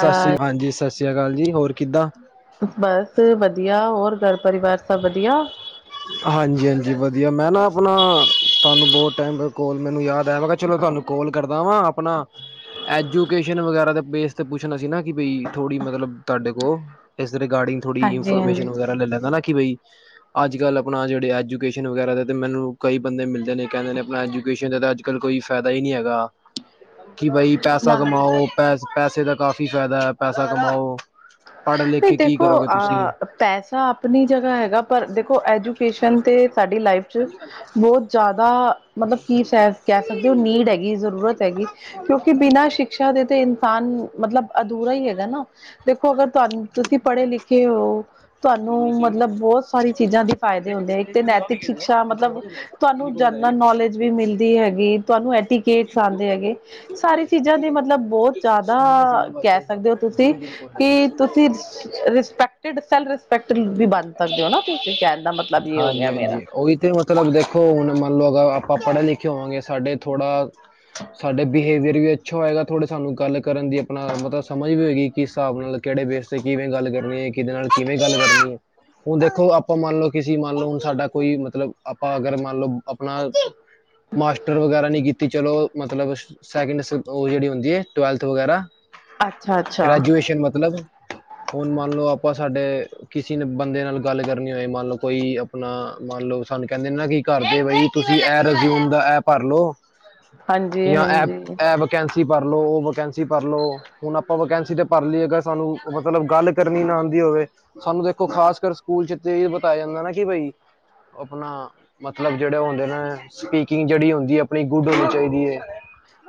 ਸਾਸ ਸ੍ਰੀ, ਸਸਰੇਆ ਕਾਲ ਜੀ ਹੋਰ ਕਿੱਦਾਂ? ਬਸ ਵਦੀਆ, ਹੋਰ ਘਰ ਪਰਵਾਰ ਸਬ ਵਦੀਆ? ਹਾਂਜੀ-ਹਾਂਜੀ ਵਦੀਆ, ਮੈਂ ਨਾ ਅਪਨਾ ਤੁਆਂਨੂੰ ਬੋਤ ਟਾਈਮ ਤੋ ਕੋਲ, ਮੈਨੂੰ ਯਾਦ ਆਏਆ ਵਾ ਚਲੋ ਤੁਆਨੂੰ ਕੋਾਲ ਕਰਦਾ ਵਾਂ ਆਪਨਾ ਐਜੂਕੇਸ਼ਨ ਵਗੈਰਾ ਦੇ ਬੇਸ ਤੇ ਪੁੱਛਨਾ ਸੀ ਨਾ, ਕਿ ਬਈ ਥੋੜੀ ਮਤਲਬ ਤੁਆਡੇ ਕੋਲ। ਏਸਦ ਰਿਗਾਰਡਿੰਗ ਥੋੜੀ, ਹਾਂਜੀ ਹਾਂਜੀ। ਇਨਫੋਰਮੇਸ਼ਨ ਵਗੈਰਾ ਲੈ ਲੈਂਦਾ ਨਾ ਕਿ ਬਈ ਅੱਜ ਕੱਲ੍ਹ ਆਪਣਾ ਜਿਹੜੇ ਐਜੂਕੇਸ਼ਨ ਵਗੈਰਾ ਦੇ ਤਾਂ ਮੈਨੂੰ ਕਈ ਬੰਦੇ ਮਿਲਦੇ ਨੇ ਕਹਿੰਦੇ ਨੇ ਆਪਣਾ ਐਜੂਕੇਸ਼ਨ ਦੇ ਅੱਜ। ਕੱਲ ਕੋਈ ਫਾਇਦਾ ਹੀ ਨਹੀਂ ਹੈਗਾ। ਹਮ [unintelligible] ਕਿ ਬਾਈ ਪੈਸਾ ਕਮਾਓ ਪੈ ਪੈਸੇ ਦਾ ਕਾਫ਼ੀ ਫ਼ਾਇਦਾ ਹੈ ਪੈਸਾ ਕਮਾਓ। ਪੜ੍ਹ ਲਿਖ ਨਹੀਂ ਕੇ ਕੀ ਦੇਖੋ ਕਰੋਗੇ ਤੁਸੀਂ ਅਹ ਪੈਸਾ। ਆਪਣੀ ਜਗ੍ਹਾ ਹੈਗਾ ਪਰ ਦੇਖੋ ਐਜੂਕੇਸ਼ਨ ਤੇ ਸਾਡੀ ਲਾਈਫ ਚ ਬਹੁਤ ਜ਼ਿਆਦਾ। ਮਤਲਬ ਕੀ ਕਹਿ ਸਕਦੇ ਹੋ ਨੀਡ ਹੈਗੀ ਜ਼ਰੂਰਤ ਹੈਗੀ ਕਿਉਂਕਿ ਬਿਨਾਂ। ਸ਼ਿਕਸ਼ਾ ਦੇ ਤੇ ਇਨਸਾਨ ਮਤਲਬ ਅਧੂਰਾ ਹੀ ਹੈਗਾ ਨਾ ਦੇਖੋ ਅਗਰ ਤੁਹਾਨੂੰ। ਤੁਸੀਂ ਪੜ੍ਹੇ ਲਿਖੇ ਹੋ ਤੁਹਾਨੂੰ ਮਤਲਬ ਬਹੁਤ ਸਾਰੀ ਚੀਜ਼ਾਂ ਦੇ ਫਾਇਦੇ ਹੁੰਦੇ ਆ। ਤੇ ਨੈਤਿਕ ਸ਼ਿਕਸ਼ਾ ਮਤਲਬ ਤੁਹਾਨੂੰ ਜਨਰਲ ਨੌਲੇਜ ਵੀ ਮਿਲਦੀ ਹੈਗੀ ਤੁਹਾਨੂੰ ਐਟੀ। ਕੇਸ ਆਉਂਦੇ ਹੈਗੇ ਸਾਰੀ ਚੀਜ਼ਾਂ ਦੇ ਮਤਲਬ ਬਹੁਤ ਜ਼ਿਆਦਾ ਕੈ। ਸਕਦੇ ਹੋ ਤੁਸੀਂ ਕਿ ਤੁਸੀਂ। ਰਿਸਪੈਕਟਡ ਸਏਲ ਰਿਸਪੈਕਡ ਵੀ ਬਣ ਸਕਦੇ ਹੋ ਨਾ ਤੁਸੀਂ ਕਹਿਣ ਦਾ ਮਤਲਬ ਇਹ ਹੋ ਹਾਂਜੀ ਗਿਆ ਮੇਰਾ। ਹਾਂਜੀ ਉਹੀ ਤਾਂ ਮਤਲਬ ਦੇਖੋ ਹੁਣ ਮੰਨ ਲਓ ਅਗਰ ਆਪਾਂ ਪੜ੍ਹੇ ਲਿਖੇ ਹੋਵਾਂਗੇ ਸਾਡੇ ਥੋੜ੍ਹਾ। ਸਾਡੇ ਬਿਹੇਵੀਅਰ ਵੀ ਅੱਛਾ ਹੋਏਗਾ ਥੋੜੇ ਸਾਨੂੰ ਗੱਲ ਕਰਨ ਦੀ ਆਪਣਾ ਮਤਲਬ। ਸਮਝ ਵੀ ਹੋਏਗੀ ਕਿਸ ਹਿਸਾਬ ਨਾਲ ਕਿਹੜੇ ਬੇਸ ਤੇ ਕਿਵੇਂ ਗੱਲ ਕਰਨੀ ਹੈ ਕਿਹਦੇ ਨਾਲ ਕਿਵੇਂ ਗੱਲ ਕਰਨੀ ਹੈ। ਹੁਣ ਦੇਖੋ ਆਪਾਂ ਮੰਨ ਲਓ ਕਿਸੀ ਮੰਨ ਲਓ ਹੁਣ ਸਾਡਾ ਕੋਈ ਮਤਲਬ ਆਪਾਂ ਅਗਰ ਮੰਨ ਲਓ ਆਪਣਾ। ਮਾਸਟਰ ਵਗੈਰਾ ਨਹੀ ਕੀਤੀ ਚਲੋ ਮਤਲਬ ਸੈਕਿੰਡ ਉਹ ਜਹੜੀ ਹੁੰਦੀ ਹੈ ਟਵੈਲਥ ਵਗੈਰਾ। ਅੱਛਾ ਅੱਛਾ ਗ੍ਰੈਜੂਏਸ਼ਨ ਮਤਲਬ ਹੁਣ ਮੰਨ ਲਓ ਆਪਾਂ ਸਾਡੇ। ਕਿਸੇ ਨੇ ਬੰਦੇ ਨਾਲ ਗੱਲ ਕਰਨੀ ਹੋਏ ਮੰਨ ਲਓ ਕੋਈ ਆਪਣਾ ਮੰਨ ਲਓ ਸਾਨੂੰ ਕਹਿੰਦੇ ਨੇ ਨਾ ਕਿ। ਘਰ ਦੇ ਬਈ ਤੁਸੀਂ ਐ ਰਜਊਮ ਦਾ ਐ ਭਰ ਲੋ। [inaudible] ਯਾ ਐ ਹਾਂਜੀ ਐ ਵੈਕੈਸੀ ਭਰ ਲੋ ਔ ਵੈਕੈਸੀ ਭਰ ਲੋ। ਹੁਣ ਅਪਾਂ ਵੈਕੈਂਸੀ ਤੇ ਭਰ ਲਈ ਸਾਨੂੰ ਮਤਲਬ ਗੱਲ ਕਰਨੀ ਨਾ ਆੰਦੀ ਹੋਵੇ। ਸਾਨੂੰ ਦੇਖੋ ਖਾਸ ਕਰ ਸਕੂਲ ਚ ਤੇ ਏਹ ਬਤਾਯਾ ਜਾਂਦਾ ਨਾ ਕਿ ਬਈ ਅਪਣਾ ਮਤਲਬ ਜੇੜੇ ਔ ਹੁੰਦੇ ਨੇ ਸਪੀਕਿੰਗ ਜੇੜੀ ਹੁੰਦੀ ਏ ਅਪਣੀ ਗੁੱਡ ਹੋਣੀ ਚਾਈਦੀ ਏ।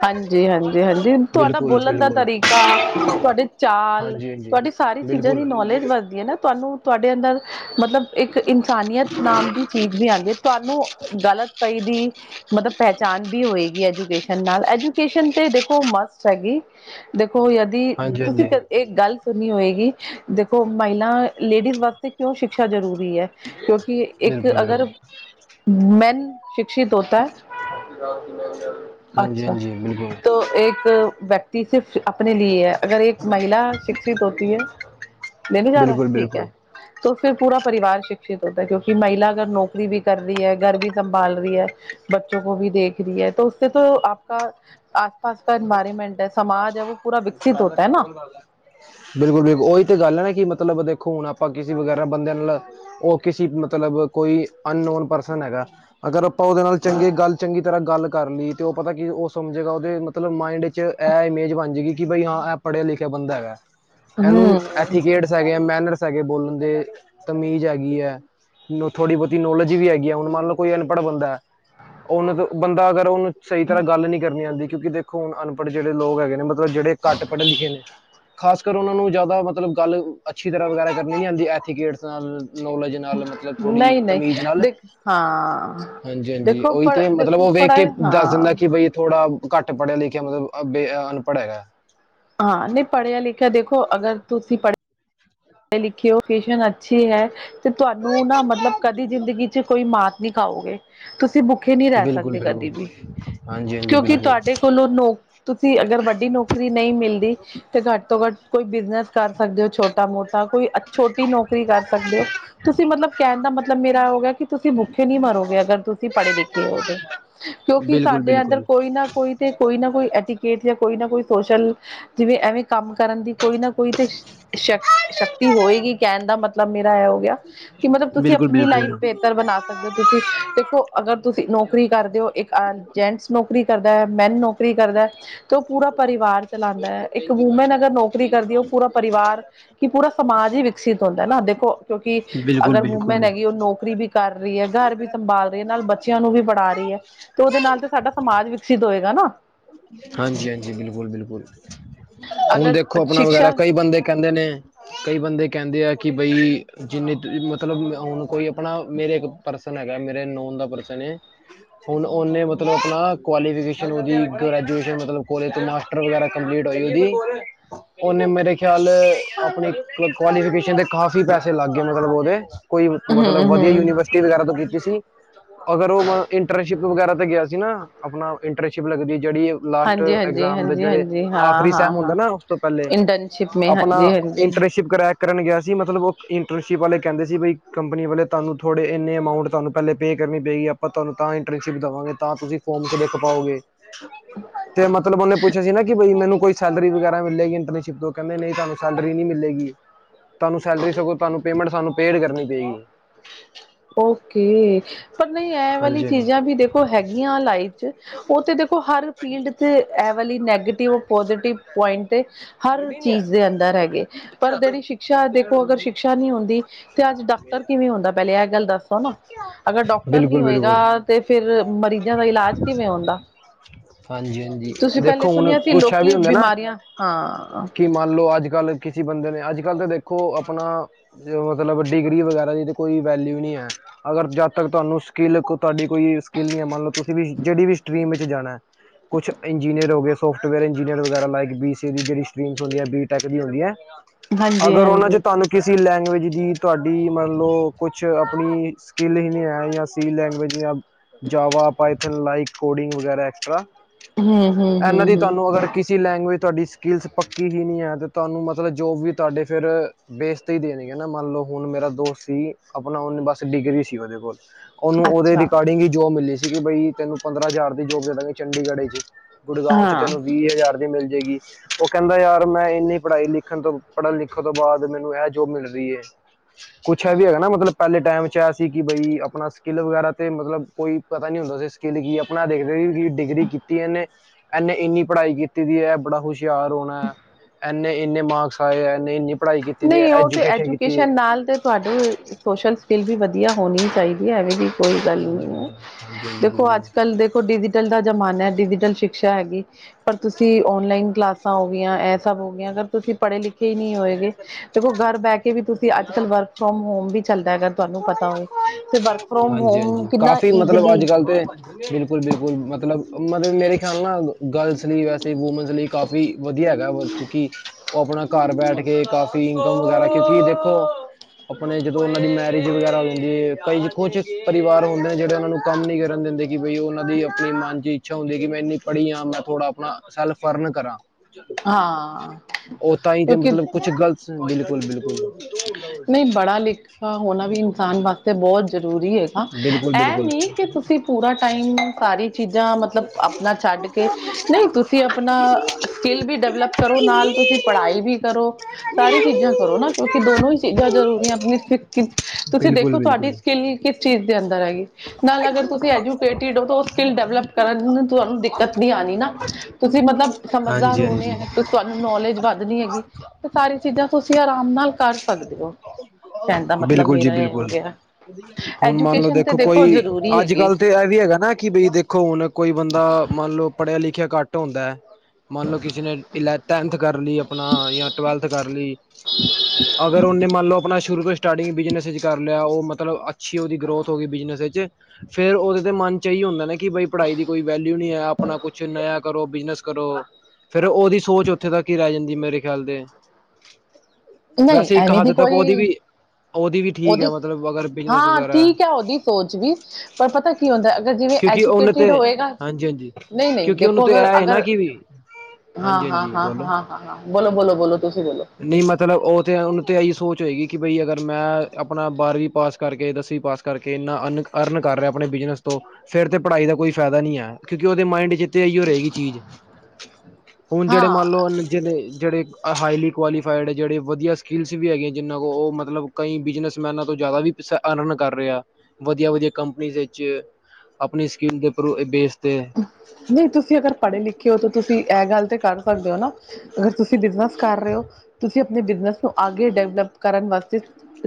ਹਾਂਜੀ ਹਾਂਜੀ ਹਾਂਜੀ ਤੁਆਡਾ ਬਿਲਕੁਲ ਬੋਲਣ ਦਾ ਬਿਲਕੁਲ ਤਰੀ ਕਾ ਤੁਹਾਡੀ ਚਾਲ ਹਾਂਜੀ ਹਾਂਜੀ ਤੁਹਾਡੀ ਸਾਰੀ ਚੀਜ਼ਾਂ ਦੀ ਬਿਲਕੁਲ ਨੌਲੇਜ ਵੱਧਦੀ ਏ ਨਾ ਤੁਆਨੂੰ ਤੁਹਾਡੇ ਅੰਦਰ ਮਤਲਬ ਇੱਕ ਇਨਸਾਨੀਅਤ ਨਾਮ ਦੀ ਚੀਜ਼ ਵੀ ਆਉਂਦੀ ਹੈ ਤੁਹਾਨੂੰ ਗਲਤ ਸਹੀ ਦੀ ਮਤਲਬ ਪਹਿਚਾਣ ਵੀ ਹੋਏਗੀ ਐਜੂਕੇਸ਼ ਨਾਲ ਐਜੂਕੇਸ਼ਨ ਤੇ ਦੇਖੋ ਮਸਟ ਹੇਗੀ ਦੇਖੋ ਯਦੀ ਹਾਂਜੀ ਤੁਸੀ ਹਾਂਜੀ ਇਹ ਗੱਲ ਸੁਣੀਨੀ ਹੋਏਗੀ ਦੇਖੋ ਮਹਿਲਾ ਲੇਡੀਜ਼ ਵਾ ਤੇ ਕਿਉਂ ਸ਼ਿਕਸ਼ਾ ਜ਼ਰੂਰੀ ਹੈ ਕਿਉਂਕਿ ਇੱਕ ਬਿਲਕੁਲ ਬਿਲਕੁਲ ਅਗਰ ਮੈਨ ਸ਼ਿਕਸ਼ਿਤ ਹੋਤਾ ਹੈ। ਹਾਂਜੀ ਅੱਛਾ ਹਾਂਜੀ ਬਿਲਕੁਲ ਤੋਂ ਇੱਕ ਵਿਅਕਤੀ ਸਿਰਫ ਆਪਣੇ ਲਈਏ ਹੈ। ਅਗਰ ਇੱਕ ਮਹਿਲਾ ਸ਼ਿਕਸ਼ਿਤ ਹੋਤੀ ਹੈ ਲੈਣੇ ਜਾ ਰਿਹਾ ਠੀਕ ਬਿਲਕੁਲ-ਬਿਲਕੁਲ। ਹੈ। ਤੋ ਫਿਰ ਪੂਰਾ ਪਰਿਵਾਰ ਸ਼ਿਕਸ਼ਿਤ ਹੋਤਾ ਹੈ ਕਿਉਂਕਿ ਮਹਿਲਾ ਅਗਰ ਨੌਕਰੀ ਵੀ ਕਰ ਰਹੀ ਹੈ ਘਰ ਵੀ ਸੰਭਾਲ ਰਹੀ ਹੈ। ਬੱਚੋ ਕੋ ਵੀ ਦੇਖ ਰਹੀ ਹੈ ਤਾਂ ਉਸੇ। ਤੋ ਆਪਕਾ ਆਸ ਪਾਸ ਕ ਇਨਵਾਇਰਮੈਂਟ ਹੈ ਸਮਾਜ ਹੈ ਉਹ ਪੂਰਾ ਵਿਕਸਿਤ ਹੋਤਾ ਹੈ ਨਾ। ਬਿਲਕੁਲ ਬਿਲਕੁਲ ਓਹੀ ਤੇ ਗੱਲ ਹੈ ਨਾ ਕਿ ਮਤਲਬ ਦੇਖੋ ਹੁਣ ਆਪਾਂ ਕਿਸੇ ਵਗੈਰਾ ਬੰਦੇ ਲਾ ਓਹ ਕਿਸੀ ਮਤਲਬ ਕੋਈ ਅਨਨੋਨ ਪਰਸਨ ਹੈਗਾ। ਅਗਰ ਅਪਾਂ ਉਦੇ ਨਾਲ ਚੰਗੇ ਗੱਲ ਚੰਗੀ ਤਰ੍ਹਾਂ ਗੱਲ ਕਰ ਲਈ ਤੇ ਓਹ ਪਤਾ ਕੀ ਔ ਸਮਝੇਗਾ ਓਹਦੇ ਮਤ ਮਤਲਬ ਮਾਇੰਡ ਚ ਐਹ ਇਮੇਜ ਬਣ ਜੇਗੀ ਕਿ ਬਈ ਹਾਂ ਐ ਪੜ੍ਹਿਆ ਲਿਖਿਆ ਬੰਦਾ ਹੇਗਾ। ਐਨੂੰ ਐਥੀਕੇਟਸ ਹੈਗੇ ਐ ਮੈਨਰਸ ਹੈਗੇ ਬੋਲਣ ਦੇ ਤਮੀਜ਼ ਹੈਗੀ ਐਂ। ਨੋ ਥੋੜੀ ਬੌਤੀ ਨੋਲੇਜ ਵੀ ਹੈਗੀ ਐਂ ਹੁਣ ਮੰਨ ਲੋ ਕੋਈ ਅਨਪੜ੍ਹ ਬੰਦਾ ਔਨੂੰ ਤੋਂ ਬੰਦਾ ਅਗਰ ਓਨੂੰ ਸਹੀ ਤਰ੍ਹਾਂ ਗੱਲ ਨੀ ਕਰਨੀ ਆੰਦੀ ਕਿਉਂਕਿ ਦੇ ਖੋ ਹੋਣ ਅਨਪੜ੍ਹ ਜੇੜੇ ਲੋਗ ਹੈਗੇ ਨੇ ਮਤਲਬ ਜੇੜੇ ਘੱਟ ਪੜ੍ਹੇ ਲਿਖੇ ਨੇ। ਖਾਸ ਕਰ ਔਨਾਂ ਨੂੰ ਜੈਦਾ ਮਤਲਬ ਗੱਲ ਅੱਛੀ ਤਰ੍ਹਾਂ ਵਗੈਰਾ ਕਰਨੀ ਨੀ ਆੰਦੀ ਐਥੀਕੇਟਸ ਨਾਲ ਨੋਲੇਜ ਨਾਲ ਮ ਮਤਲਬ ਥੋੜ੍ਹੀ ਤਮੀਜ਼ ਨਾਲ ਹਾਂਜੀ ਹਾਂਜੀ ਦੇਖੋ ਓਹੀ ਪੜ ਤੇ ਮਤਲਬ ਦੇਖੋ ਓਹ ਵੇਖ ਕੇ ਪੜ੍ਹਾਏ ਹਾਂ ਦੱਸ ਦਿੰਦਾ ਕਿ ਕਿ ਬਈ ਥੋੜਾ ਘਾੱਟ ਪੜੇਆ ਲਿਖੇਆ ਮਤਲਬ ਬੇ ਅਨਪੜ ਹੈਗੈ। ਹਾਂ, ਨੀ ਪੜੇਆ ਲਿਖੇਆ ਦੇਖੋ ਅਗਰ ਤੂਸੀ ਪੜੇ ਲਿਖੇ ਓ, ਔਕੇਸ਼ਨ ਅ ਅੱਛੀ ਹੈ, ਤੇ ਤੂਆਨੂੰ ਨਾ ਮਤਲਬ ਕਦੀ ਜ਼ਿੰਦਗੀ ਚ ਕੋਈ ਮਾਤ ਨੀ ਖਾਓਗੇ, ਤੂਸੀ ਬੁੱਕ ਖੇ ਨੀ ਰੈ ਬਿਲਕੁਲ ਸਕਦੇ ਕਦੀ ਬਿਲਕੁਲ ਵੀ। ਹਾਂਜੀ ਹਾਂਜੀ ਕਿਉਂਕਿ ਬਿਲਕੁਲ ਤੁਆਡੇ ਕੋਲੋਂ ਨੌਕ, ਤੂਸੀ ਅਗਰ ਵੱਡੀ ਨੌਕਰੀ ਨਹੀ ਮਿਲਦੀ ਤੇ ਘਾੱਟ ਤੋ ਘਾੱਟ ਕੋਈ ਬਿਜ਼ਨਸ ਕਾਰ ਸਕਦੇ ਓ ਛੋਟਾ ਮੋਟਾ, ਕੋਈ ਅ ਛੋਟੀ ਨੌਕਰੀ ਕਾਰ ਸਕਦੇ ਓ। ਤੂਸੀ ਮਤਲਬ ਕੈਣ ਦਾ ਮਤਲਬ ਮੇਰਾ ਹੋ ਗੇਆ ਕਿ ਤੂਸੀ ਭੁੱਖੇ ਨੀ ਮਰੋਗੇ ਅਗਰ ਤੂਸੀ ਪੜੇ ਲਿਖੇ ਓ ਤੋ। ਕਿਉਂਕਿ, ਬਿਲਕੁਲ ਸਾਡੇ ਐਦਰ ਬਿਲਕੁਲ ਕੋਈ ਨਾ ਕੋਈ ਤੇ, ਕੋਈ ਨਾ ਕੋਈ ਐਟੀਕੇਟ ਯਾ ਕੋਈ ਨਾ ਕੋਈ ਸੋਸ਼ਲ ਜਿਵੇਂ ਐਵੇਂ ਕਾੰਮ ਕਰਨ ਦੀ ਕੋਈ ਨਾ ਕੋਈ ਤੇ ਸ਼ ਸ਼ਕ ਸ਼ਕਤੀ ਹੋਏਗੀ, ਕੈਨ ਦਾ ਮਤਲਬ ਮੇਰਾ ਐ ਹੋ ਗੇਆ ਕਿ ਮਤਲਬ ਤੂਸੀ ਬਿਲਕੁਲ ਬਿਲਕੁਲ ਅਪਨੀ ਬਿਲਕੁਲ ਲਾਈਫ ਬੇ ਤਰ ਬਨਾ ਸਕਦੇ ਔ ਤੂਸੀ, ਦੇਖੋ ਅਗਰ ਤੂਸੀ ਨੌਕਰੀ ਕਾਰਦੇ ਓ ਇੱਕ ਐਨ ਜੈਂਟਸ ਨੌਕਰੀ ਕਰਦੈ, ਮੈਨੱ ਨੌਕਰੀ ਕਰਦੈ ਤੇ ਓ ਪੂਰਾ ਪਰਿਵਾਰ ਚਲਾੰਦੈ, ਇੱਕ ਵੂਮੈਨ ਅਗਰ ਨੌਕਰੀ ਕਰਦੀ ਏ ਓ ਪੂਰਾ ਪਰਿਵਾਰ ਕੀ ਪੂਰਾ ਸਮਾਜ ਈ ਵਿਕਸਿਤ ਹੋਂਦੈ ਨਾ, ਦੇਖੋ ਕਿਉਂਕਿ ਅਗਰ ਵੂਮੈਨ ਬਿਲਕੁਲ ਹੈਗੀ ਏ, ਔ ਨੌਕਰੀ ਵੀ ਕਰ ਰੀ ਐ, ਘਾਰ ਵੀ ਸੰਭਾਲ ਰੀ ਐ, ਨਾਲ ਬੱਚੇਆਂ ਨੂੰ ਵੀ ਪੜਾ ਰੀ ਐ ਤੇ ਔਦੇ ਨਾਲ ਤੇ ਸਾਡਾ ਸਮਾਜ ਵਿਕਸਿਤ ਹੋਏਗਾ ਨਾ। ਹਾਂਜੀ, ਹਾਂਜੀ ਬਿਲਕੁਲ, ਬਿਲਕੁਲ। ਹੁਨ ਅਗਰ ਦੇਖੋ ਅਪਣਾ ਵਗੈਰਾ, ਸ਼ਿਕਸ਼ਾ ਕਈ ਬੰਦੇ ਕੈੰਦੇ ਨੇ ਕਈ ਬੰਦੇ ਕੈਹੰਦੇ ਐ, ਕਿ ਬਈ ਜਿੰਨੇ ਤੂ ਮਤਲਬ ਹੁਣ ਕੋਈ ਅਪਣਾ ਮੇਰੇ ਪਰਸਨ ਹੈਗਾ, ਮੇਰੇ ਨੋਨ ਦਾ ਪਰਸਨ ਏ ਹੁਨ ਓਨੇ ਮਤਲਬ ਅਪਣਾ ਕੁਆਲੀਫਿਕੇਸ਼ਨ ਓਦੀ ਗ੍ਰੈਜੂਏਸ਼ਨ ਮਤਲਬ ਕੋਲੇਜ ਤੋ ਮਾਸਟਰ ਵਗੈਰਾ ਕਮਪਲੀਟ ਹੋਈ ਸੀ। ਓਨੇ ਮੇਰੇ ਖੇਆਲ ਅਪਣੀ ਕੁਆਲੀਫਿਕੇਸ਼ਨ ਦੇ ਕਾਫੀ ਪੈਸੇ ਲਾਗ ਗਏ ਮਤਲਬ ਓਦੇ ਕੋਈ ਹਮ ਮਤਲਬ ਵਦੀਆ ਹਮ ਯੂਨੀਵਰਸਿਟੀ ਵਗੈਰਾ ਤੋ ਕੀਤੀ ਸੀ, ਅਗਰ ਓ ਮ ਇੰਟਰਸ਼ਿਪ ਵਗੈਰਾ ਤੇ ਗੇਆ ਸੀ ਨਾ ਅਪਨਾ ਇੰਟਰਸ਼ਿਪ ਲੱਗਦੀ ਐ ਜੇੜੀ ਹਾਂਜੀ ਟਰ ਹਾਂਜੀ ਐਗਜਾ਼ਮ ਦੇ ਹਾਂਜੀ ਜੇੜੇ ਹਾਂਜੀ ਹਾਂ ਆਖਰੀ ਸੈਮ ਹਾਂ ਹੁੰਦੈ ਹਾਂ ਨਾ, ਉਸ ਤੋਂ ਪੈਲੇ ਇੰਟਰਨਸ਼ਿਪ ਮੈਂ ਅਪਨਾ ਹਾਂਜੀ ਹਾਂਜੀ ਇੰਟਰ ਸ਼ਿਪ ਕਰੈਕ ਕਰਨ ਗੇਆ ਸੀ ਮਤਲਬ ਓ ਇੰਟਰਸ਼ਿਪ ਵਾਲੇ ਕੈਂਦੇ ਸੀ ਵੀ, ਕੰਪਨੀ ਵਾਲੇ ਤਾਨੂੰ ਥੋੜੇ ਏਨੇ ਅਮਾਊਂਟ ਤੂਆਨੂ ਪੈਲੇ ਪੇ ਕਰਨੀ ਪਏਗੀ, ਅਪਾਂ ਤੂਆਨੂੰ ਤਾਂ ਇੰਟਰਸ਼ਿਪ ਦਵਾਂਗੇ, ਤਾਂ ਤੂਸੀ ਫੋਮ ਤੇ ਲਿੱਖ ਪਾਓਗੇ। ਤੇ ਮਤਲਬ ਓਨੇ ਪੁੱਛੇਆ ਸੀ ਨਾ ਕਿ ਬਈ ਮੈਨੂੰ ਕੋਈ ਸੈਲਰੀ ਵਗੈਰਾ ਮਿਲੇਗੀ ਇੰਟਰਸ਼ਿਪ ਤੋ, ਕੈੰਦੇ ਨਹੀ ਤਾਨੂੰ ਸੈਲਰੀ ਨੀ ਮਿਲੇਗੀ। ਤਾਨੂੰ ਸੈਲਰੀ ਸਗੋ ਤਾਨੂੰ ਪੇਮੈਂਟ ਸਾਨੂੰ ਪੇਡ ਕਰਨੀ ਪਏਗੀ। ਓਕੇ, ਪਰ ਨਹੀਂ ਐ ਵਾਲੀ ਹਾਂਜੀ ਹਾਂਜੀ ਚੀਜਾਂ ਵੀ ਦੇਖੋ ਹੈਗੀਆਂ ਲਾਈਫ ਚ। ਓ ਤੇ ਦੇਖੋ ਹਰ ਫੀਲਡ ਤੇ ਐ ਵਾਲੀ ਨੈਗੇਟਿਵ, ਪੋਜੀ਼ਟਿਵ ਪੁਆਇੰਟ ਏ ਹਰ ਚੀਜ ਦੇ ਅੰਦਰ ਹੈਗੇ। ਪਰ ਜੇੜੀ ਸ਼ਿਕਸ਼ਾ ਦੇਖੋ ਅਗਰ ਸ਼ਿਕਸ਼ਾ ਨੀ ਹੁੰਦੀ, ਤੇ ਆੱਜ ਡਾਕਟਰ ਕਿਵੇਂ ਹੋਂਦਾ, ਪੈਲੇ ਐ ਗੱਲ ਦੱਸੋ ਨਾ? ਅਗਰ ਡੋਕਟਰ ਨੀ ਬਿਲਕੁਲ ਹੋਏਗਾ, ਬਿਲਕੁਲ ਤੇ ਫਿਰ ਮਰੀਜਾਂ ਦਾ ਇਲਾਜ ਕਿਵੇਂ ਹੋੰਦਾ? ਹਾਂਜੀ ਹਾਂਜੀ ਤੂਸੀ ਪੈਲੇ ਦੇਖੋ ਹੁਣ ਸੁਨੇਆ ਸੀ ਲੋਕੀ ਬਿਮਾਰੀਆਂ, ਹਾਂ। ਕੀ ਮੰਨ ਲੋ ਅੱਜ-ਕੱਲ ਕਿਸੀ ਬੰਦੇ ਨੇ, ਅੱਜ-ਕੱਲ ਤੇ ਦੇਖੋ ਅਪਣਾ ਜੋ ਮਤਲਬ ਡਿਗਰੀ ਵਗੈਰਾ ਦੀ ਤੇ ਕੋਈ ਵੈਲਿਊ ਨੀ ਹੈ, ਅਗਰ ਜਦ ਤੱਕ ਤੂਆਨੂੰ ਸਕਿੱਲ ਤੂਆਡੀ ਕੋਈ ਸਕਿੱਲ ਨੀ ਹੈ, ਮੰਨ ਲੋ ਤੂਸੀ ਵੀ ਜੇੜੀ ਵੀ ਸਟਰੀਮ ਇਚ ਜਾਣੈ। ਕੁੱਛ ਇੰਜੀਨੀਅਰ ਹੋਗੇ, ਸੋਫਟਵੇਅਰ ਇੰਜੀਨੀਅਰ ਵਗੈਰਾ ਲਾਈਕ ਬੀਸ ਜਿਦੀ ਜੇੜੀ ਸਟਰੀਮ ਹੋਂਦੀ ਐ, ਬੀਟੈਕ ਦੀ ਹੋਂਦੀ ਐ, ਹਾਂਜੀ ਅਗਰ ਓਨਾਂ ਚ ਹਾਂਜੀ ਤੂਆਨੂੰ ਕਿਸੀ ਲੈਂਗੁਏਜ ਦੀ ਤੂਆਡੀ ਮਾੰਨ ਲਓ ਕੁੱਛ ਅਪਨੀ ਸਕਿੱਲ ਈ ਨੀ ਹੈ ਯਾ ਸੀ ਲੈਂਗੁਵੇਜ ਯਾ ਜਾਵਾ, ਪਾਏਥਨ ਲਾਈਕ ਕੋਡਿੰਗ ਵਗੈਰਾ ਐਕਸਟਰਾ। ਹੂੰ ਹੂੰ ਐਨਾਂ ਹੂੰ ਦੀ ਹੂੰ ਤੁਹਾਨੂੰ ਅਗਰ ਕਿਸੀ ਲੈਂਗੁਏਜ ਤੂਆਡੀ ਕਿਲਸ ਪੱਕੀ ਜੀ ਨੀ ਹੈ, ਤੇ ਤੁਆਨੂੰ ਮਤਲਬ ਜੋਬ ਵੀ ਤੂਆਡੇ ਫੇਰ ਬੇਸ ਤੇ ਈ ਦੇਨਗੇ ਨਾ, ਮਾੰਨ ਲੋ ਹੁਨ ਮੇਰਾ ਦੋਸਤ ਸੀ ਅਪਣਾ ਹੂਨ ਬਾੱਸ ਡਿਗਰੀ ਸੀ ਓਦੇ ਕੋਲ ਓਨੂੰ ਓਦੇ ਅੱਛਾ ਰਿਕਾਰਡਿੰਗ ਹੀ ਜੋਬ ਮਿਲੀ ਸੀਗੀ, ਬਈ ਤੈਨੂੰ ਪੰਦਰਾਂ ਹਜ਼ਾਰ ਦੀ ਜੋਬ ਦੇਦਾਂਗੇ ਚੰਡੀਗੜ ਏਚ ਈ। ਗੁੜਗਾਂਉ ਚ ਹਾਂ ਤੈਨੂੰ ਵੀਹ ਹਜਾਰ ਦੀ ਮਿਲ ਜੇਗੀ। ਓ ਕਹਿੰਦਾ ਯਾਰ ਮੈਂ ਇੰਨੀ ਪੜ੍ਹਾਈ ਲਿਖਣ ਤੋਂ ਪੜ੍ਹਨ ਲਿਖਣ ਤੋਂ ਬਾਅਦ ਮੈਨੂੰ ਐ ਜੋਬ ਮਿਲ ਰੀ ਐ। ਕੁੱਛ ਐ ਵੀ ਹੈਗਾ ਨਾ ਮਤਲਬ ਪਹਿਲੇ ਟੈਮ ਚ ਸੀ ਕਿ ਬਈ ਆਪਣਾ ਸਕਿੱਲ ਵਗੈਰਾ ਤੇ ਮਤਲਬ ਕੋਈ ਪਤਾ ਨੀ ਹੁੰਦਾ ਸੀ ਸਕਿੱਲ ਕਿ ਐ ਆਪਣਾ ਦੇਖਦੇ ਵੀ ਡਿਗਰੀ ਕੀਤ ਕਿ ਏਨੇ ਏਨੇ ਇੰਨੀ ਪੜ੍ਹਾਈ ਕੀਤੀ ਦੀ ਐ ਐਹ ਬੜਾ ਖੁਸ਼ ਕਿਆ ਰੋਣਾ ਐ ਐਨੇ ਇੰਨੇ ਮਾਰਕਸ ਆਏ ਐ ਐਨੇ ਇੰਨੀ ਪੜ੍ਹਾਈ ਕੀਤੀ ਦੀ ਹੈ ਨਈ ਓ ਤੇ ਕੀਤੀ ਹੈ ਐਜੂਕੇਸ਼ਨ ਨਾਲ ਤ ਤੁਆਡੇ ਸੋਸ਼ਲ ਸਕਿੱਲ ਵੀ ਵਧੀਆ ਹੋਣੀ ਚਾਈਦੀ ਐ ਐਵੇਂ ਵੀ ਕੋਈ ਗੱਲ ਹਾਂਜੀ ਨਈ ਐ। ਹਾਂਜੀ ਹਾਂਜੀ ਹਾਂਜੀ ਦੇਖੋ ਬਿਲਕੁਲ ਅੱਜ ਕੱਲ੍ਹ ਦੇਖੋ ਡਿਜੀਟਲ ਦਾ ਜ਼ਮਾਨਾ ਡਿਜੀਟਲ ਸ਼ਿਕਸ਼ਾ ਹੈਗੀ ਪਰ ਤੁਸੀਂ ਔਨਲਾਈਨ ਕਲਾਸਾਂ ਹੋ ਗਈਆਂ ਐ ਸਭ ਹੋ ਗੀਆਂ ਅਗਰ ਤੁਸੀਂ ਪੜ੍ਹੇ ਲਿਖੇ ਈ ਨੀ ਹੋਏਗੇ। ਦੇਖੋ ਗਰ ਬਹਿ ਕੇ ਵੀ ਤੁਸੀਂ ਅੱਜ ਕੱਲ ਵਰਕ ਫਰੋਮ ਹੋਮ ਵੀ ਚੱਲਦਾ ਹੈਗਾ ਐ ਤੁਆਨੂੰ ਪਤਾ ਹੋਏ ਤੇ ਵਰਕ ਫਰੋਮ ਹਾਂਜੀ ਹੋਮ ਹਾਂਜੀ ਕਿੰਨਾ ਕਾਫੀ ਮਤਲਬ ਈਜ਼ਲੀ ਅੱਜ ਕੱਲ੍ਹ ਤੇ ਬਿਲਕੁਲ ਬਿਲਕੁਲ ਮਤਲਬ ਮਤਲਬ ਮੇਰੇ ਖਿਆਲ ਨਾਲ ਗਰਲਸ ਲਈ ਵੈਸੇ ਵੂਮਨਸ ਲਈ ਕਾਫੀ ਵਧੀਆ ਹੈਗਾ ਕਿਉਂਕਿ ਓ ਆਪਣਾ ਘਰ ਬੈਠ ਕੇ ਕਾਫ਼ੀ ਇਨਕਮ ਵਗੈਰਾ ਕਿਉਂਕਿ ਦੇਖੋ ਆਪਣੇ ਜਦੋਂ ਉਨਾਂ ਦੀ ਮੈਰਿਜ ਵਗੈਰਾ ਹੋ ਜਾਂਦੀ ਐ ਕਈ ਕੁਝ ਪਰਿਵਾਰ ਹੁੰਦੇ ਨੇ ਜੇੜੇ ਉਨਾਂ ਨੂੰ ਕੰਮ ਨੀ ਕਰਨ ਦਿੰਦੇ ਕਿ ਬਈ ਉਨਾਂ ਦੀ ਆਪਣੇ ਮਨ ਚ ਇੱਛਾ ਹੁੰਦੀ ਐ ਕਿ ਮੈਂ ਇੰਨੀ ਪੜ੍ਹੀ ਆਂ ਮੈਂ ਥੋੜ੍ਹਾ ਆਪਣਾ ਸੈਲਫ ਅਰਨ ਕਰਾਂ। ਹਾਂ ਓ ਤਾਂ ਈ ਤੇ ਮਤਲਬ ਕੁਛ ਗ਼ਲਤ ਬਿਲਕੁਲ ਬਿਲਕੁਲ ਨਈ ਬੜ੍ਹਾ ਲਿਖਾ ਹੋਣਾ ਵੀ ਇਨਸਾਨ ਵਾਸਤੇ ਬਹੁਤ ਜ਼ਰੂਰੀ ਹੈਗਾ ਬਿਲਕੁਲ ਐ ਬਿਲਕੁਲ ਨਈ ਕਿ ਤੁਸੀਂ ਪੂਰਾ ਟਾਈਮ ਸਾਰੀ ਚੀਜ਼ਾਂ ਮਤਲਬ ਆਪਣਾ ਛੱਡ ਤੇ ਨਈ ਤੁਸੀਂ ਆਪਣਾ ਸਕਿੱਲ ਵੀ ਡਵਲਪ ਕਰੋ ਨਾਲ ਤੁਸੀਂ ਪੜ੍ਹਾਈ ਵੀ ਕਰੋ ਸਾਰੀ ਚੀਜ਼ਾਂ ਕਰੋ ਨਾ ਕਿਉਂਕਿ ਦੋਨੋ ਈ ਚੀਜ਼ ਜਾ ਜ਼ਰੂਰੀ ਆ ਤੁਸੀਂ ਬਿਲਕੁਲ ਦੇਖੋ ਤੁਆਡੀ ਬਿਲਕੁਲ ਸਕਿੱਲ ਕਿਸ ਚੀਜ਼ ਦੇ ਅੰਦਰ ਹੈਗੀ ਨਾਲ ਅਗਰ ਤੁਸੀਂ ਐਜੂਕੇਟਡ ਓ ਤਾਂ ਉਹ ਸਕਿੱਲ ਡਵਲਪ ਕਰਨ ਨੂੰ ਤੁਆਨੂੰ ਦਿੱਕਤ ਨੀ ਆਣੀ ਨਾ ਤੁਸੀਂ ਮਤਲਬ ਸਮਝਦਾਰ ਹਾਂਜੀ ਹੋਣੇ ਹਾਂਜੀ ਐ ਤੁਆਨੂੰ ਨੌਲੇਜ ਵੱਧਣੀ ਹੈਗੀ ਤੇ ਸਾਰੀ ਚੀਜ਼ਾਂ ਤੁਸੀਂ ਆਰਾਮ ਨਾਲ ਕਰ ਸਕਦੇ ਓ ਕੈਨ ਦਾ ਮਤਲਬ ਬਿਲਕੁਲ ਜੀ ਮੇਰਾ ਏ ਬਿਲਕੁਲ ਹੋਇਆ ਹੁਣ ਮੰਨ ਲਓ ਦੇਖੋ ਕੋਈ ਅੱਜ ਹੈਗੀ ਕੱਲ ਤੇ ਇਹ ਵੀ ਹੈਗਾ ਨਾ ਕਿ ਬਈ ਦੇਖ ਖੋ ਹੁਣ ਕੋਈ ਬੰਦਾ ਮੰਨ ਲਓ ਪੜ੍ਹਿਆ ਲਿਖਿਆ ਘੱਟ ਹੁੰਦਾ ਐ ਮੰਨ ਲਓ ਕਿਸੇ ਨੇ ਟੈਨਥ ਕਰ ਲਈ ਆਪਣਾ ਜਾਂ ਟਵੈਲਥ ਕਰ ਲਈ ਅਗਰ ਉਹਨੇ ਮੰਨ ਲਓ ਆਪਣਾ ਸ਼ੁਰੂ ਤੋਂ ਸਟਾਰਟਿੰਗ ਬਿਜਨਸ ਵਿੱਚ ਕਰ ਲਿਆ ਉਹ ਮਤਲਬ ਅੱਛੀ ਓਦੀ ਗਰੋਥ ਹੋ ਗਈ ਬਿਜਨਸ ਵਿੱਚ ਫੇਰ ਓਦੇ ਤੇ ਮਨ ਚ ਇਹੀ ਹੁੰਦਾ ਨਾ ਕਿ ਬਈ ਪੜ੍ਹਾਈ ਦੀ ਕੋਈ ਵੈਲਿਊ ਨੀ ਐ ਆਪਣਾ ਕੁਛ ਨਆ ਕਰੋ ਬਿਜਨਸ ਕਰੋ ਫੇਰ ਓਦੀ ਸੋਚ ਉੱਥੇ ਤੱਕ ਈ ਰੈ ਜਾਂਦੀ ਮੇਰੇ ਖਿਆਲ ਦੇ। [inaudible] ਵੈਸੇ ਇੱਕ ਐਵੇਂ ਦੀ ਹੱਦ ਤੱਕ ਉਦੀ ਕੋਈ ਵੀ ਉਦੀ ਵੀ ਠੀਕ ਐ ਉਹਦੀ ਮਤਲਬ ਅਗਰ ਬਿਜਨਸ ਹਾਂ ਵਗੈਰਾ ਠੀਕ ਐ ਉਦੀ ਸੋਚ ਵੀ ਪਰ ਪਤਾ ਕੀ ਹੁੰਦਾ ਅਗਰ ਜਿਵੇਂ ਕਿਉਂਕਿ ਉਹਨੇ ਤੇ ਐਜੂਕੇਟਿਡ ਹੋਏਗਾ ਹਾਂਜੀ ਹਾਂਜੀ ਨਈ ਨਈ ਕਿਉਂਕਿ ਉਹਨੂੰ ਦੇਖੋ ਤੇ ਇਹ ਅਗਰ ਹੈ ਨਾ ਅਗਰ ਕਿ ਵੀ ਹਾਂ ਹਾਂਜੀ ਹਾਂ ਹਾਂਜੀ ਹਾਂ ਹ ਬੋਲੋ ਹਾਂ ਹਾਂ ਬੋਲੋ ਬੋਲੋ ਬੋਲੋ ਤੁਸੀਂ ਬੋਲੋ ਨਈ ਮਤਲਬ ਉਹ ਤਾਂ ਉਹਨੂੰ ਤਾਂ ਇਹੀ ਸੋਚ ਹੋਏਗੀ ਕਿ ਬਈ ਅਗਰ ਮੈਂ ਆਪਣਾ ਬਾਰਵੀਂ ਪਾਸ। ਕਰਕੇ ਦਸਵੀਂ ਪਾਸ ਕਰਕੇ ਇੰਨਾ ਅਰਨ ਅਰਨ ਕਰ ਰਿਆ ਆਪਣੇ ਬਿਜਨਸ ਤੋਂ। ਫੇਰ ਤੇ ਪੜ੍ਹਾਈ ਦਾ ਕੋ ਫਾਇਦਾ ਨੀ ਐ ਕਿਉਂਕਿ ਉਦੇ ਮਾਇਂਡ ਚ ਤੇ ਐੱਇਓ ਰਏਗੀ ਚੀਜ਼ ਹੁਣ ਜਿਹੜੇ ਮੰਨ ਹਾਂ ਲਓ ਜਿ ਜਿਹੜੇ ਹਾਈਲੀ ਕੁਆਲੀਫਾਈਡ ਜੇੜੇ ਵਧੀਆ ਸਕਿੱਲਸ ਵੀ ਹੈਗੇ ਜਿਨ੍ਹਾਂ ਕੋਲ ਓ ਮਤਲਬ ਕਈ ਬਿਜ਼ਨਸਮੈਨਾਂ ਤੋਂ ਜ਼ਿਆਦਾ ਵੀ ਅਰਨ ਕਰ ਰਿਆ ਵਧੀਆ ਵਧੀਆ ਕੰਪਨੀ ਵਿੱਚ ਆਪਣੀ ਸਕਿੱਲ ਦੇ ਭਰ ਬੇਸ ਤੇ ਨਈ ਤੁਸੀਂ ਅਗਰ ਪੜ੍ਹੇ ਲਿਖੇ ਓ ਤੇ ਤੁਸੀਂ ਐ ਗੱਲ ਤੇ ਕਰ ਸਕਦੇ ਓ ਨਾ ਅਗਰ ਤੁਸੀਂ ਬਿਜਨਸ ਕਰ ਰੇ ਓ ਤੁਸੀਂ ਆਪਣੇ ਬਿਜਨਸ ਨੂੰ ਆਗੇ ਡਵੈਲਪ ਕਰਨ ਵਾਸਤੇ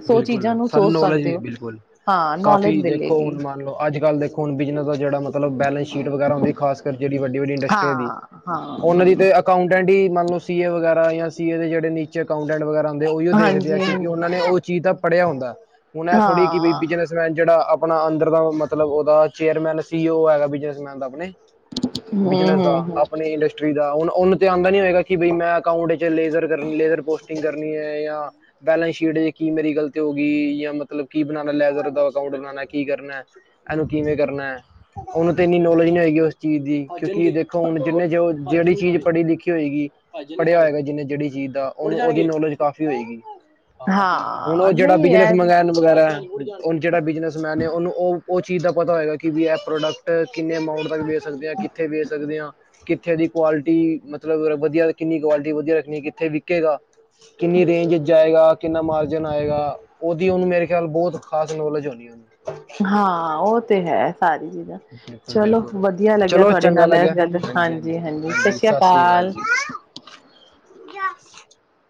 ਸੌ ਬਿਲਕੁਲ ਚੀਜ਼ਾਂ ਨੂੰ ਸਾਨੂੰ ਸੋਚ ਨੌਲੇਜ ਸਕਦੇ ਵੀ ਹੋ ਬਿਲਕੁਲ ਹਾਂ ਨੌਲੇਜ ਕਾਫੀ ਦੇਖੋ ਮਿਲੇਗੀ ਹੁਣ ਮੰਨ ਲਓ ਅੱਜ ਕੱਲ ਦੇਖੋ ਹੁਣ ਬਿਜਨਸ ਦਾ ਜੇੜਾ ਮਤਲਬ ਬੈਲੈਂਸ ਸ਼ੀਟ ਵਗੈਰਾ ਹੁੰਦੀ ਖਾਸ ਕਰ ਜੇੜੀ ਵੱਡੀ ਵੱਡੀ ਇੰਡਸਟਰੀ ਦੀ ਹਾਂ ਹਾਂ ਉਨਾਂ ਦੀ ਤੇ ਹਾਂ ਅਕਾਊਂਟੈਂਟ ਈ ਮੰਨ ਲਓ ਸੀ ਏ ਵਗੈਰਾ ਜਾਂ ਸੀ ਏ ਦੇ ਜੇੜੇ ਨੀਚੇ ਅਕਾਊਂਟੈਂਟ ਵਗੈਰਾ ਉਈਓ ਦੇਖਦੇ ਆ ਹਾਂਜੀ ਕਿਉਂਕਿ ਹਾਂਜੀ ਉਨਾਂ ਨੇ ਓ ਚੀਜ਼ ਦਾ ਪੜਿਆ ਹੁੰਦਾ ਹੁਣ ਐ ਥੋੜ੍ਹੀ ਕਿ ਬੀ ਹਾਂ ਬਿਜਨਸ ਜੇੜਾ ਆਪਣਾ ਅੰਦਰ ਦਾ ਮਤਲਬ ਉਹਦਾ ਚੇਅਰਮੈਨ ਸੀ ਓ ਹੈਗਾ ਬਿਜਨਸਮੈਨ ਦਾ ਆਪਣੇ ਹਮ ਬਿਜਨਸ ਦਾ ਹਮ ਹਮ ਅਪਣੇ ਇੰਡਸਟ ਟਰੀ ਦਾ ਓਨੂੰ ਤੇ ਆਉਂਦਾ ਨੀ ਹੋਏਗਾ ਕਿ ਬੀ ਮੈਂ ਅਕਾਊਂਟ ਚ ਲੇਜ਼ਰ ਲੇਜ਼ਰ ਪੋਸਟਿੰਗ ਕਰਨੀ ਐ ਜਾਂ ਬੈਲੈਂਸ ਸ਼ੀਟ ਚ ਕੀ ਮੇਰੀ ਗਲਤੀ ਹੋ ਗਈ ਜਾਂ ਮਤਲਬ ਕੀ ਬਣਾਣਾ ਲੈਜ਼ਰ ਦਾ ਅਕਾਊਂਟ ਬਣਾਣਾ ਕੀ ਕਰਨਾ ਐ ਐਨੂੰ ਕਿਵੇਂ ਕਰਨਾ ਐ ਓਨੂੰ ਤੇ ਏਨੀ ਨੌਲੇਜ ਨੀ ਹੋਏਗੀ ਉਸ ਚੀਜ਼ ਦੀ ਕਿਉਂਕਿ ਦੇਖੋ ਹੁਣ ਜਿਨੇ ਜੋ ਜੇੜੀ ਚੀਜ਼ ਪੜ੍ਹੀ ਲਿਖੀ ਹੋਏਗੀ ਪੜ੍ਹਿਆ ਹੋਏਗਾ ਜਿਨੇ ਜੇੜੀ ਚੀਜ਼ ਦਾ ਉਹ ਉਹਦੀ ਨੌਲੇਜ ਕਾਫੀ ਹੋਏਗੀ ਹੁਣ ਓ ਹਾਂ ਜੇੜਾ ਨਹੀਂ ਬਿਜਨਸ ਹੈ ਮੰਗਇਆ ਨੂੰ ਵਗੈਰਾ ਐ ਜੇੜਾ ਬਿਜਨਸਮੈਨ ਏ ਓਨੂੰ ਓ ਓ ਚੀਜ਼ ਦਾ ਪਤਾ ਹੋਏਗਾ ਕਿ ਵੀ ਐ ਪ੍ਰੋਡਕਟ ਅ ਕਿੰਨੇ ਅਮਾਊਂਟ ਤੱਕ ਵੇਚ ਸਕਦੇ ਆ ਕਿੱਥੇ ਵੇਚ ਸਕਦੇ ਆ ਕਿ ਕਿੱਥੇ ਦੀ ਕੁਆਲਿਟੀ ਮਤਲਬ ਵਧੀਆ, ਕਿੰਨੀ ਕੁਆਲਿਟੀ ਵਧੀਆ ਰੱਖਣੀ, ਕਿੱਥੇ ਵਿਕੇਗਾ ਕਿੰਨੀ ਰੇਂਜ ਚ ਜਾਏਗਾ ਕਿੰਨਾ ਮਾਰਜਨ ਆਏਗਾ ਉਹਦੀ ਓਨੂੰ ਮੇਰੇ ਖਿਆਲ ਬੋਤ ਖਾਸ ਨੌਲੇਜ ਹੋਣੀ ਓਨੂੰ ਹਾਂ ਓ ਤੇ ਹੈ ਸਾਰੀ ਚੀਜ਼ਾਂ ਬਿਲਕੁਲ ਚਲੋ ਬਿਲਕੁਲ ਵਧੀਆ ਲੱਗਿਆ ਚਲੋ ਤੁਹਾਡੇ ਨਾਲ ਇਸ ਗੱਲ ਹਾਂਜੀ ਹਾਂਜੀ ਸਤਿ੍ਰ ਸਸ ਸ੍ਰੀ ਅਕਾਲ ਜੀ